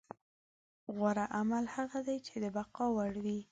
غوره عمل هغه دی چې د بقا وړ وي.